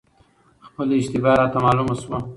خپله اشتباه راته معلومه شوه،